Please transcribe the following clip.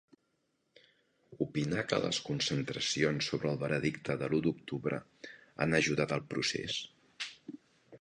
Opina que les concentracions sobre el veredicte de l'U d'Octubre han ajudat al procés?